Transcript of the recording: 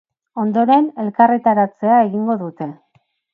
Ondoren, elkarretaratzea egingo dute.